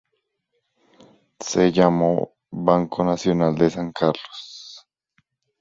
Se llamó Banco Nacional de San Carlos.